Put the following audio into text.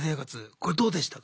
これどうでしたか？